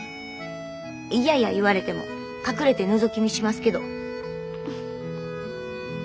嫌や言われても隠れてのぞき見しますけど。